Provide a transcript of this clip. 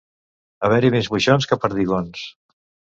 Haver-hi més moixons que perdigons.